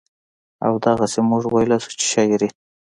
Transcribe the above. او دغسې مونږ وئيلے شو چې شاعري